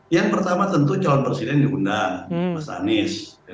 yang pertama tentu calon presiden diundang mas anies